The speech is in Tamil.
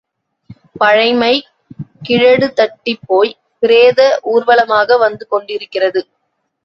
பழைமை கிழடுதட்டிப்போய் பிரேத ஊர்வலமாக வந்து கொண்டிருக்கிறது.